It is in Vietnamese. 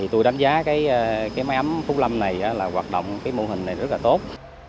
tôi đánh giá máy ấm phúc lâm này hoạt động mô hình rất là tốt